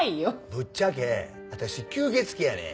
「ぶっちゃけ私吸血鬼やねん！」。